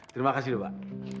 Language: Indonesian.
terima kasih lho pak